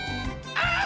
あっ！